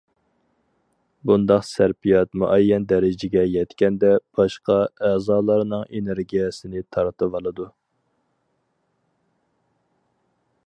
بۇنداق سەرپىيات مۇئەييەن دەرىجىگە يەتكەندە باشقا ئەزالارنىڭ ئېنېرگىيەسىنى تارتىۋالىدۇ.